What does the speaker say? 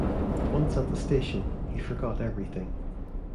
Once at the station, he forgot everything.